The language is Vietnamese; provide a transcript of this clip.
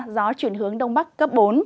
gió chuyển hướng đông bắc cấp bốn